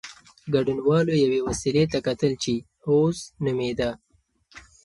ګډونوالو یوې وسيلې ته کتل چې "اوز" نومېده.